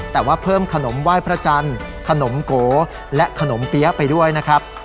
แต่ว่าเพิ่มขนมไหว้พระจันทร์ขนมโกและขนมเปี๊ยะไปด้วยนะครับ